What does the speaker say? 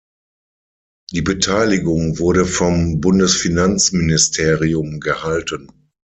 Die Beteiligung wurde vom Bundesfinanzministerium gehalten.